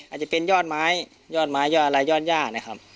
อาจจะเป็นยอดไม้ยอดไม้ยอดอะไรยอดย่านะครับ